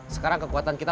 sekarang kekuatan kita